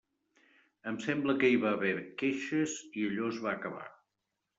Em sembla que hi va haver queixes i allò es va acabar.